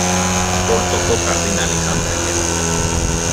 Portoko kardinal izan zen gero.